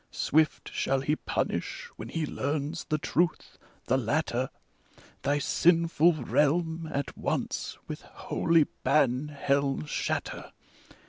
Swift shall he punish when he learns the truth — the latter: Thy sinful realm at once with holy ban hell shatter!